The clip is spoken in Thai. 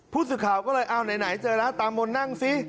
ผู้สื่อข่าวก็เลยเอาไหนเจอแล้วตามนนั่งซิ